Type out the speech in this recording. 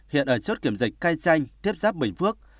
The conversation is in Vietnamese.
hiện ở chốt kiểm dịch cai chanh thiếp giáp bình phước